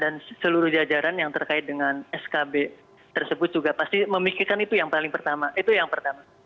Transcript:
dan seluruh jajaran yang terkait dengan skb tersebut juga pasti memikirkan itu yang paling pertama itu yang pertama